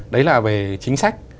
đấy là về chính sách